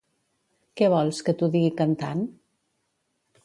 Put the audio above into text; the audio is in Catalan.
Què vols, que t'ho digui cantant?